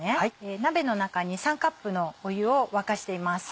鍋の中に３カップの湯を沸かしています。